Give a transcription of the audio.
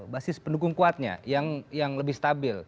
basis pendukung kuatnya yang lebih stabil